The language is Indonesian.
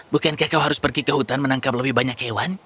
bukankah kau harus pergi ke hutan menangkap lebih banyak hewan